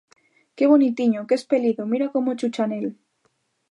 _¡Que bonitiño, que espelido, mira como chucha nel!